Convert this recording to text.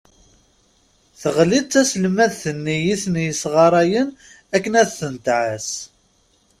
Teɣli-d taselmadt-nni i ten-yesɣarayen akken ad ten-tɛas.